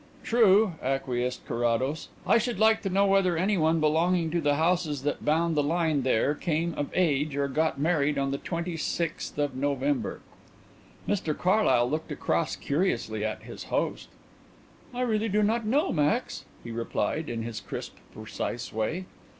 "True," acquiesced Carrados. "I should like to know whether anyone belonging to the houses that bound the line there came of age or got married on the twenty sixth of November." Mr Carlyle looked across curiously at his host. "I really do not know, Max," he replied, in his crisp, precise way.